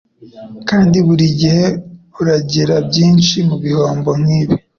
Kandi burigihe urangira byinshi mubihombo nkibi pe